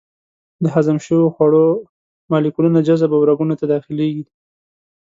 د هضم شوو خوړو مالیکولونه جذب او رګونو ته داخلېږي.